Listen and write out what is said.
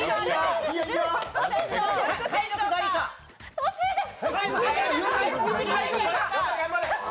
惜しいです！